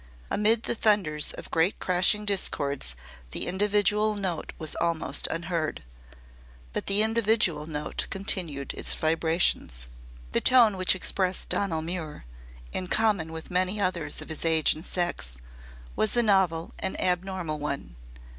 Amid the thunders of great crashing discords the individual note was almost unheard but the individual note continued its vibrations. The tone which expressed Donal Muir in common with many others of his age and sex was a novel and abnormal one.